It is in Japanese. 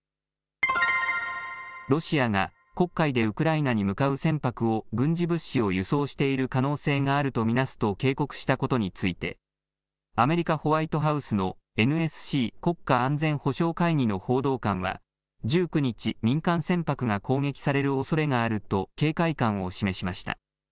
ロシアが黒海でウクライナに向かう船舶を軍事物資を輸送している可能性があると見なすと警告したことについてアメリカ・ホワイトハウスのＮＳＣ・国家安全保障会議の報道官は１９日、民間船舶が攻撃されるおそれがあると警戒感を示しました。